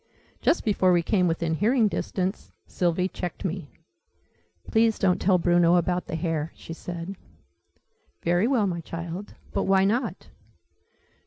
Just before we came within hearing distance Sylvie checked me. "Please don't tell Bruno about the hare!" she said. Very well, my child. But why not?